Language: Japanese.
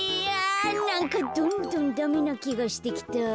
なんかどんどんダメなきがしてきた。